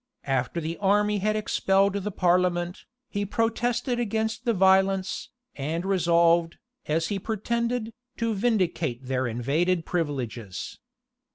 After the army had expelled the parliament, he protested against the violence, and resolved, as he pretended, to vindicate their invaded privileges.